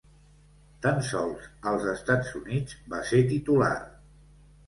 Tan sols als Estats Units va ser titular.